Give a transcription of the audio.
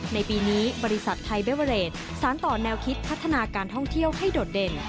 ในปีนี้บริษัทไทยเบเวอเรดสารต่อแนวคิดพัฒนาการท่องเที่ยวให้โดดเด่น